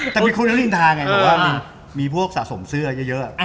แต่มีคนละลินทาไงบอกว่ามันมีพวกสะสมเสื้อเยอะ